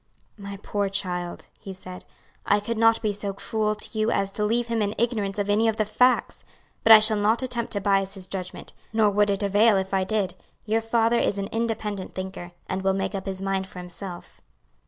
"My poor child," he said, "I could not be so cruel to you as to leave him in ignorance of any of the facts; but I shall not attempt to bias his judgment; nor would it avail if I did. Your father is an independent thinker, and will make up his mind for himself."